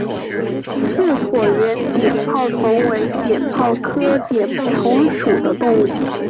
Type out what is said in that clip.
似椭圆碘泡虫为碘泡科碘泡虫属的动物。